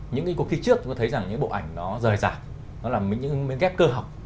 những cuộc kỳ trước tôi thấy rằng những bộ ảnh nó rời rạc nó là những ghép cơ học